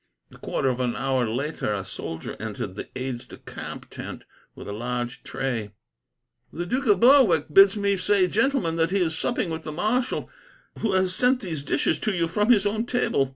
A quarter of an hour later, a soldier entered the aides de camp's tent, with a large tray. "The Duke of Berwick bids me say, gentlemen, that he is supping with the marshal, who has sent these dishes to you from his own table."